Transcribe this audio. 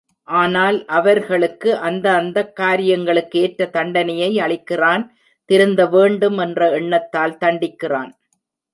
ஆனால் அவர்களுக்கு அந்த அந்தக் காரியங்களுக்கு ஏற்ற தண்டனையை அளிக்கிறான் திருந்த வேண்டும் என்ற எண்ணத்தால் தண்டிக்கிறான்.